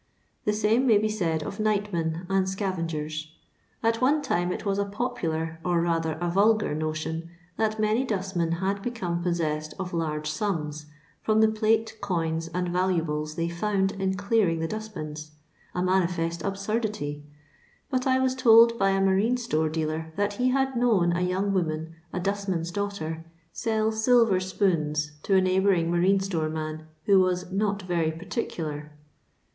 The same may be said of nightmen and scavengers. At one time it was a popular, or rathar a Tolgar notion that nmnjb dustmen had become possessed of largo sums, from the plate, coins, and valuables they found in clearing the dus^bins — a nuBifest absurdity; but I was told by ft marine store dealer that ho had known a young woman, a dustman's daughter, sell silver spoons to a neigh bouring marine store man, who was "not very particular."